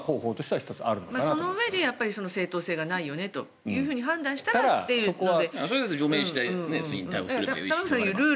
それで正当性がないと判断したらということで。